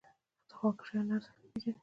د خواږه شیانو ارزښت نه پېژني.